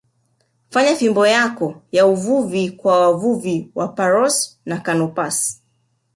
fanya fimbo yako ya uvuvi kwa wavuvi wa Pharos na Canopus